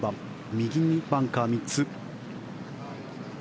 右にバンカー３つ。